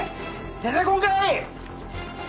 出てこんかい！